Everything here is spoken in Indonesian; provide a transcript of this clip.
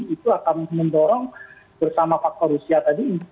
itu akan mendorong bersama pak korusia tadi